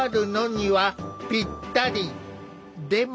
でも。